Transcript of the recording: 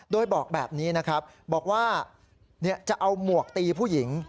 โดยบอกแบบนี้นะครับบอกว่าจะเอาหมวกตีผู้หญิง